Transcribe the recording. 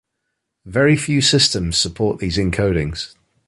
Very few systems support these encodings.